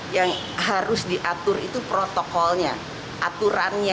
yang harus diatur itu protokolnya aturannya